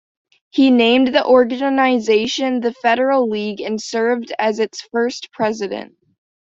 He named the organization the Federal League, and served as its first president.